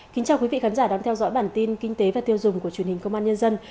xin chào quý vị khán giả đang theo dõi bản tin kinh tế và tiêu dùng của truyền hình công an nhân dân